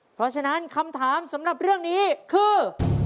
เพราะฉะนั้นคำถามสำหรับเรื่องนี้คือ